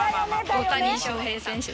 大谷翔平選手。